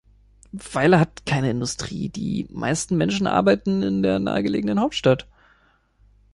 Weiler hat keine Industrie, die meisten Menschen arbeiten in der nahegelegenen Hauptstadt.